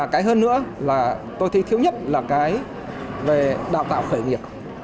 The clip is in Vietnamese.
cái hơn nữa là tôi thấy thiếu nhất là cái về đào tạo khởi nghiệp